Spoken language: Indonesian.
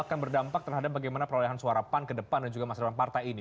akan berdampak terhadap bagaimana perolehan suara pan ke depan dan juga masa depan partai ini